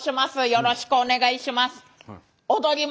よろしくお願いします。